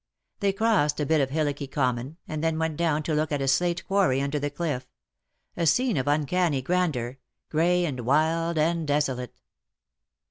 They crossed a bit of hillocky common, and then went down to look at a slate quarry under the cliff — a scene of uncanny grandeur — grey and wild and desolate.